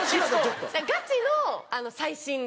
ガチの最新。